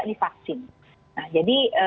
divaksin nah jadi